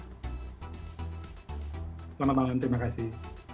selamat malam terima kasih